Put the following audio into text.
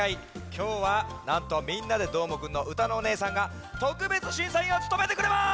きょうはなんと「みんなＤＥどーもくん！」のうたのおねえさんがとくべつしんさいんをつとめてくれます！